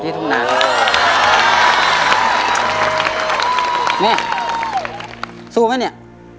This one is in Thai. เนี่ยสู้ไหมเนี่ย